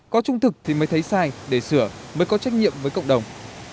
có trung thực thì mới thấy sai để sửa mới có trách nhiệm với cộng đồng